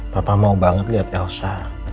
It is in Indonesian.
papa mau banget lihat elsa